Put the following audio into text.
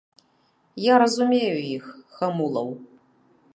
Я разумею іх, хамулаў.